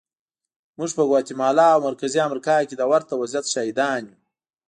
موږ په ګواتیمالا او مرکزي امریکا کې د ورته وضعیت شاهدان یو.